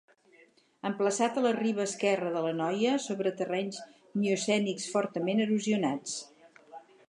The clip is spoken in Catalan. Emplaçat a la riba esquerra de l'Anoia, sobre terrenys miocènics fortament erosionats.